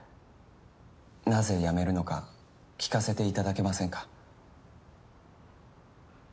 なぜ辞めるのか聞かせていただけませんか？